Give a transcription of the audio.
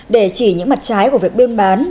để chỉ những mặt trái của việc bương bán